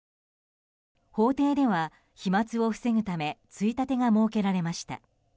法廷では、飛沫を防ぐためついたてが設けられました。